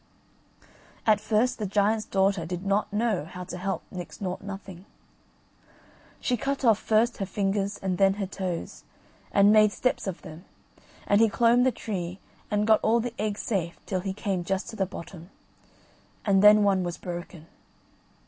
At first the giant's daughter did not know how to help Nix Nought Nothing; but she cut off first her fingers and then her toes, and made steps of them, and he clomb the tree and got all the eggs safe till he came just to the bottom, and then one was broken.